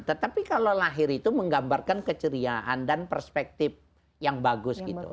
tetapi kalau lahir itu menggambarkan keceriaan dan perspektif yang bagus gitu